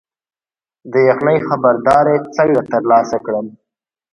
د یخنۍ خبرداری څنګه ترلاسه کړم؟